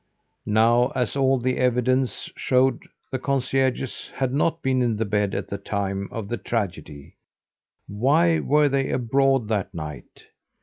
Now as all the evidence showed the concierges had not been in bed at the time of the tragedy, why were they abroad that night?